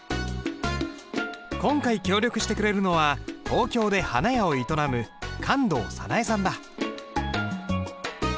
今回協力してくれるのは東京で花屋を営む観堂早奈恵さんだ。